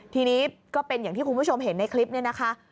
ทีนี้ก็เป็นอย่างที่คุณผู้ชมเห็นในคลิปนี้นะคะ